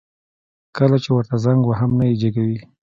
کله چي ورته زنګ وهم نه يي جګوي